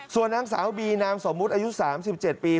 ส่วนนางสาวบีนามสมมุติอายุ๓๗ปี